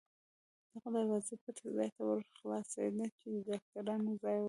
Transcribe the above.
دغه دروازه پټۍ ځای ته ور خلاصېده، چې د ډاکټرانو ځای و.